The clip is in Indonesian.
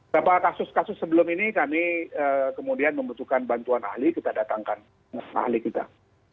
beberapa kasus kasus sebelum ini kami kemudian membutuhkan bantuan ahli kita datangkan ahli kita